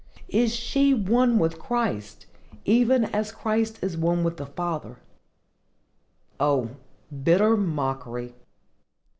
Is she one with Christ, even as Christ is one with the Father? O, bitter mockery!